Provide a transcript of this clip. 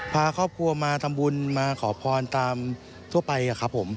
พาครอบครัวมาทำบุญมาขอพรตามทั่วไปครับผม